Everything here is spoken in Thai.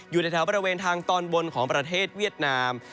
อยู่ในแถวบริเวณทางตอนบนของประเทศเวียดนาม